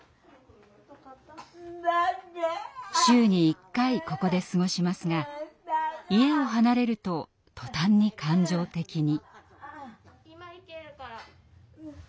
週に１回ここで過ごしますが家を離れるととたんに感情的に。